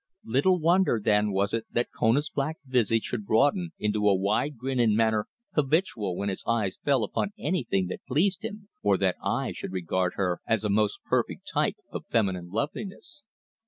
Little wonder then was it that Kona's black visage should broaden into a wide grin in manner habitual when his eyes fell upon anything that pleased him, or that I should regard her as a most perfect type of feminine loveliness.